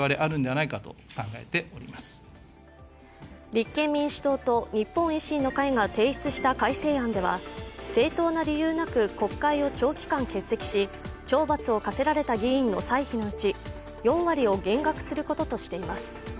立憲民主党と日本維新の会が提出した改正案では正当な理由なく国会を長期間欠席し、懲罰を科せられた議員の歳費のうち、４割を減額することとしています。